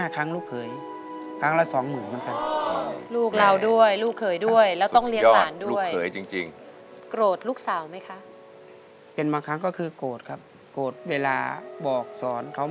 ๔๕ครั้งลูกเขยครั้งละ๒หมู่เหมือนกัน